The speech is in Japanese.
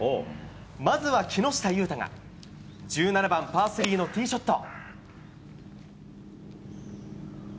まずは木下裕太が１７番パー３のティーショット。